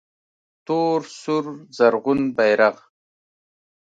تور سور زرغون بیرغ